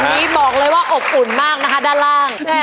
วันนี้บอกเลยว่าอบอุ่นมากนะคะด้านล่าง